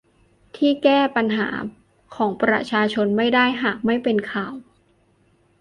ที่แก้ปัญหาของประชาชนไม่ได้หากไม่เป็นข่าว